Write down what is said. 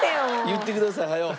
言ってください早う。